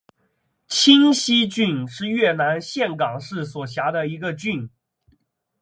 清溪郡是越南岘港市所辖的一个郡。